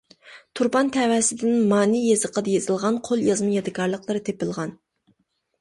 تۇرپان تەۋەسىدىن مانى يېزىقىدا يېزىلغان قول يازما يادىكارلىقلىرى تېپىلغان.